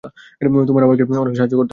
তোমার আমাকে সাহায্য করতে হবে।